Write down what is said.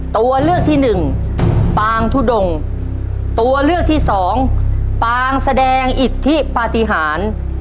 ตัวเลือกที่หนึ่งปางทุดงตัวเลือกที่สองปางแสดงอิทธิปฏิหาร